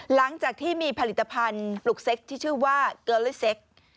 หลังจากที่มีผลิตภัณฑ์ปลุกเซ็กที่ชื่อว่าเกอเลอร์เซ็ก